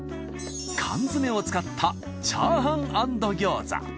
缶詰を使ったチャーハン＆餃子。